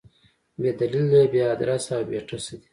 بې دلیله، بې ادرسه او بې ټسه دي.